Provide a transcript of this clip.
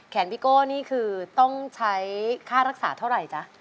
พี่โก้นี่คือต้องใช้ค่ารักษาเท่าไหร่จ๊ะ